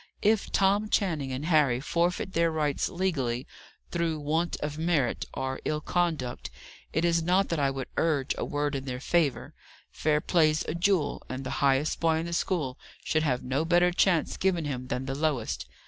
If Tom Channing and Harry forfeit their rights legally, through want of merit, or ill conduct, it is not I that would urge a word in their favour. Fair play's a jewel: and the highest boy in the school should have no better chance given him than the lowest.